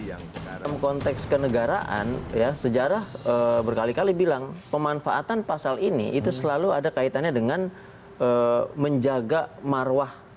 dalam konteks kenegaraan ya sejarah berkali kali bilang pemanfaatan pasal ini itu selalu ada kaitannya dengan menjaga marwah